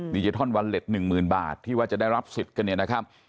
มีเจธอนวัลเล็ตหนึ่งหมื่นบาทที่ว่าจะได้รับสิทธิ์กันเนี่ยนะครับ